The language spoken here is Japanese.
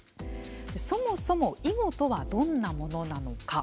そもそも囲碁とはどんなものなのか。